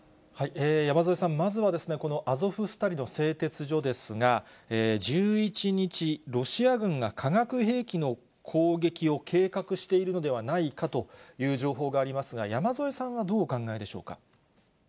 山添さん、まずはこのアゾフスタリの製鉄所ですが、１１日、ロシア軍が化学兵器の攻撃を計画しているのではないかという情報がありますが、山添さんはどうお考えでしょうか。